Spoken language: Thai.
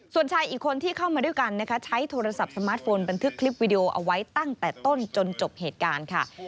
ส่วนชายอีกคนที่เข้ามาด้วยกันนะคะใช้โทรศัพท์สมาร์ทโฟนบันทึกคลิปวิดีโอเอาไว้ตั้งแต่ต้นจนจบเหตุการณ์ค่ะ